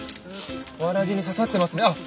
わらじに刺さってますあっ